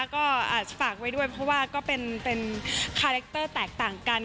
ก็อาจจะฝากไว้ด้วยเพราะว่าก็เป็นคาแรคเตอร์แตกต่างกัน